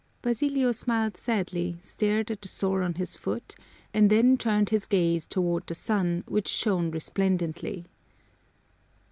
Basilio smiled sadly, stared at the sore on his foot, and then turned his gaze toward the sun, which shone resplendently.